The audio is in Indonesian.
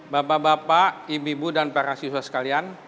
bapak bapak ibu ibu dan para siswa sekalian